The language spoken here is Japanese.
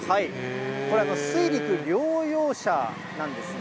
これ、水陸両用車なんですね。